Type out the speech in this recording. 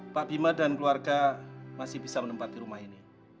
pak bima dan keluarga masih bisa menempati rumah ini